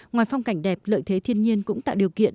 ngoài phong cảnh đẹp lợi thế thiên nhiên cũng tạo điều kiện